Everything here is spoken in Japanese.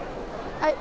はい！